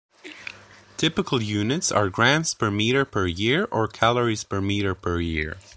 Typical units are grams per meter per year or calories per meter per year.